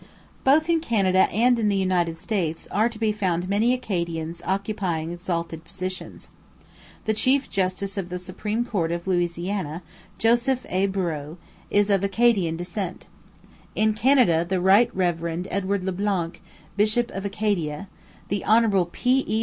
Both in Canada and in the United States are to be found many Acadians occupying exalted positions. The chief justice of the Supreme Court of Louisiana, Joseph A. Breaux, is of Acadian descent. In Canada the Rt Rev. Edward Le Blanc, bishop of Acadia, the Hon. P. E.